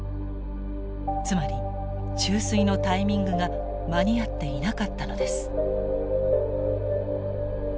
つまり注水のタイミングが間に合っていなかったのです。